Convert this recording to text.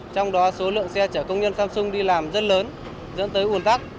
trong đó số lượng xe chở công nhân samsung đi làm rất lớn dẫn tới ủn tắc